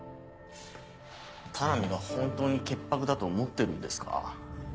田波が本当に潔白だと思ってるんですか？